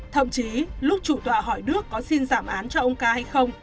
thậm chí lúc chủ tọa hỏi đức có xin giảm án cho ông ca hay không